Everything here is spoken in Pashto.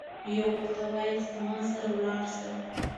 یو ورته وایي چې زما سره لاړشه.